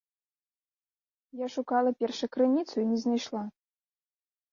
Я шукала першакрыніцу і не знайшла.